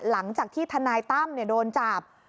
หลังจากที่ทนายตั้มโดนจับ